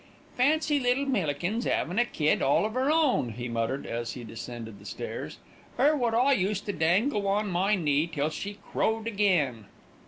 "Fancy little Millikins 'avin' a kid all of 'er own," he muttered, as he descended the stairs, "'er wot I used to dangle on my knee till she crowed again.